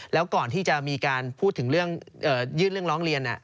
แล้วก่อนที่จะมีการพูดถึงเรื่องยื่นเรื่องร้องเรียน